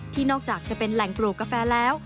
นอกจากจะเป็นแหล่งปลูกกาแฟแล้ว